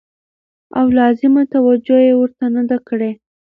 او لازمه توجع يې ورته نه ده کړې